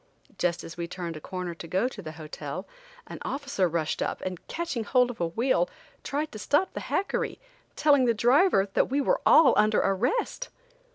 Just as we turned a corner to go to the hotel, an officer rushed up and, catching hold of a wheel, tried to stop the hackery, telling the driver that we were all under arrest.